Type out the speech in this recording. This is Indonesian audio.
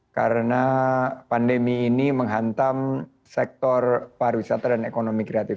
karena pandemi ini menghantam sektor pariwisata dan ekonomi kreatif